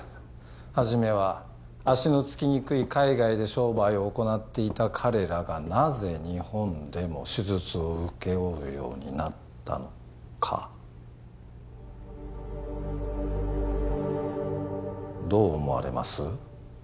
はじめは足のつきにくい海外で商売を行っていた彼らがなぜ日本でも手術を請け負うようになったのかどう思われます？